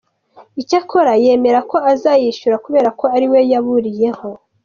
Icyakora yemera ko azayishyura kubera ko ari we yaburiyeho.